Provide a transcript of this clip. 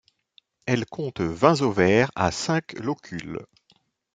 Elle compte vingt ovaires à cinq locules.